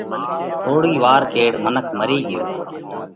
ٿوڙِي وار ڪيڙ منک مري ڳيو۔